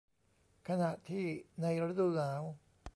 ขณะที่ในฤดูหนาว